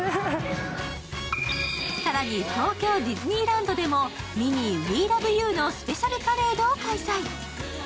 更に東京ディズニーランドでも「ミニー、ウィー・ラブ・ユー！」のスペシャルパレードを開催。